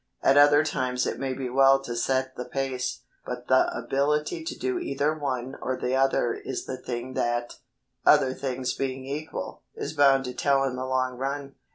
At other times it may be well to set the pace, but the ability to do either one or the other is the thing that, other things being equal, is bound to tell in the long run.